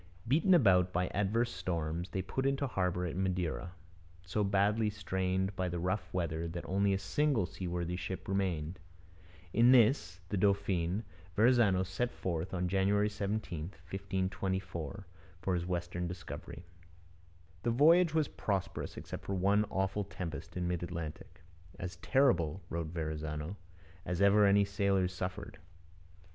Beaten about by adverse storms, they put into harbour at Madeira, so badly strained by the rough weather that only a single seaworthy ship remained. In this, the Dauphine, Verrazano set forth on January 17, 1524, for his western discovery. The voyage was prosperous, except for one awful tempest in mid Atlantic, 'as terrible,' wrote Verrazano, 'as ever any sailors suffered.'